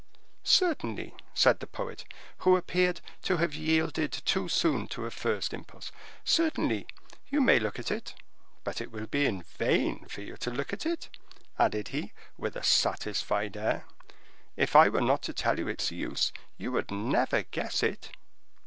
"Certainly," said the poet, who appeared to have yielded too soon to a first impulse. "Certainly, you may look at it: but it will be in vain for you to look at it," added he, with a satisfied air; "if I were not to tell you its use, you would never guess it."